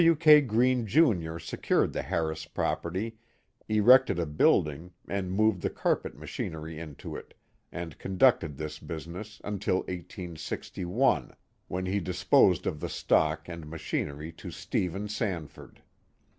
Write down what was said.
W. K. Greene, Junior, secured the Harris property, erected a building and moved the carpet machinery into it, and conducted this business until 1S61. Early Industries 339 when he disposed of the stock and machinery to Stephen San ford.